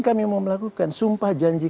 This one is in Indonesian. mana mungkin kami mau melakukan sumpah janji